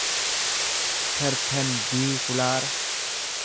perpendiikulaara